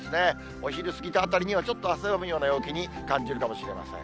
お昼過ぎたあたりにはちょっと汗ばむような陽気に感じるかもしれません。